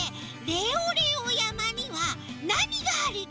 レオレオやまにはなにがあるの？